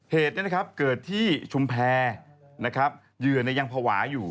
เหตุเกิดที่ชุมแพรยื่อนยังภาวะอยู่